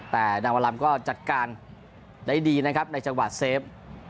แต่ดังวันลำก็จัดการได้ดีในถาวร์เซฟ